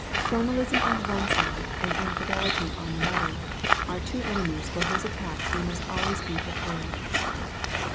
Formalism on one side and infidelity on another, are two enemies for whose attacks we must always be prepared.